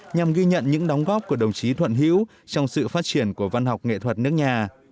nhằm ghi nhận những đóng góp của đồng chí thuận hữu trong sự phát triển của văn học nghệ thuật nước nhà